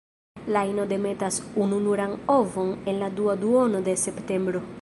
La ino demetas ununuran ovon en la dua duono de septembro.